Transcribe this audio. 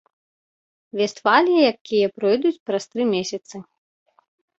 Вестфалія, якія пройдуць праз тры месяцы.